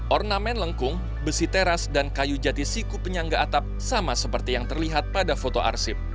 ornamen lengkung besi teras dan kayu jati siku penyangga atap sama seperti yang terlihat pada foto arsip